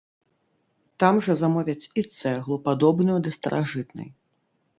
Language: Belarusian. Там жа замовяць і цэглу, падобную да старажытнай.